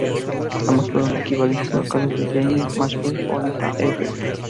Ambas fueron equivalentes locales de Jayne Mansfield o Anita Ekberg.